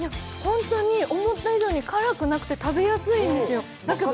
本当に思った以上に辛くなくて食べやすいんですよ。